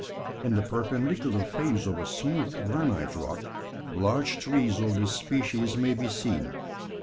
In the perpendicular face of a smooth granite rock, large trees of this species may be seen.